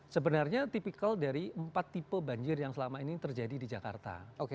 sebenarnya tipikal dari empat tipe banjir yang selama ini terjadi di jakarta